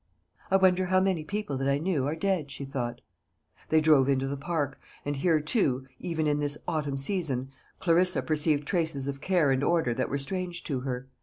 "I wonder how many people that I knew are dead?" she thought. They drove into the park, and here too, even in this autumn season, Clarissa perceived traces of care and order that were strange to her.